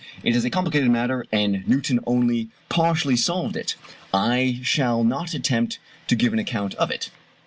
It is a complicated matter, and Newton only partially solved it. I shall not attempt to give an account of it.